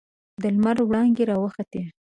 د لمر وړانګې راوخوتې.